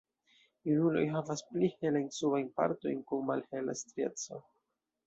Junuloj havas pli helajn subajn partojn kun malhela strieco.